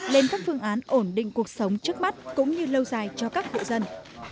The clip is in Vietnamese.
lên các phương án ổn định cuộc sống trước mắt cũng như lâu dài cho các hộ dân